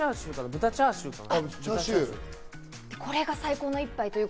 豚チャーシューかな？